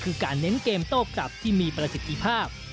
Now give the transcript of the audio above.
คือการเน้นเกมโต้กลับที่มีประสิทธิภาพ